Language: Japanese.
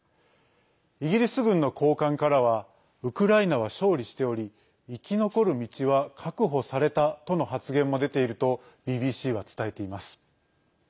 イギリス軍の高官からはウクライナは勝利しており生き残る道は確保されたとの発言も出ているとＢＢＣは伝えています。